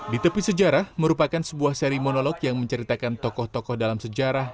di tepi sejarah merupakan sebuah seri monolog yang menceritakan tokoh tokoh dalam sejarah